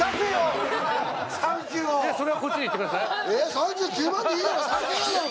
３９万でいいだろ。